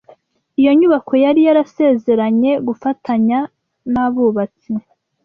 iyo nyubako yari yasezeranye gufatanya n’abubatsi.